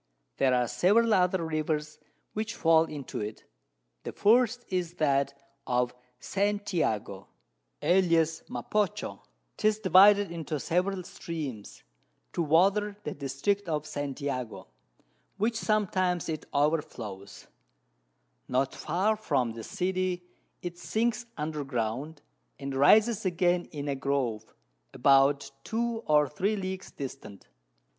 There are several other Rivers which fall into it; the first is, that of St. Jago, alias Mapocho; 'tis divided into several Streams, to water the District of St. Jago, which sometimes it over flows: Not far from the City it sinks under Ground, and rises again in a Grove, about 2 or 3 Leagues distant.